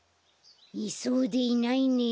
いそうでいないね。